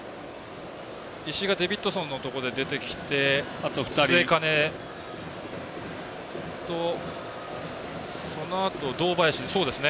石井がデビッドソンのところで出てきて末包と、そのあと堂林で。